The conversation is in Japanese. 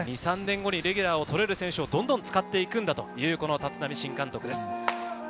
２３年後にレギュラーを取れる選手をどんどん使っていくんだという立浪新監督です。